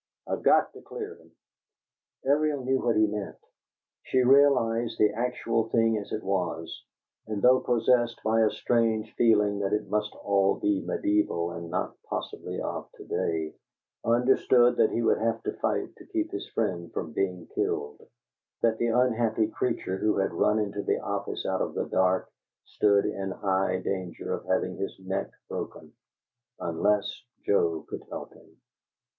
I've got to clear him." Ariel knew what he meant: she realized the actual thing as it was, and, though possessed by a strange feeling that it must all be medieval and not possibly of to day, understood that he would have to fight to keep his friend from being killed; that the unhappy creature who had run into the office out of the dark stood in high danger of having his neck broken, unless Joe could help him.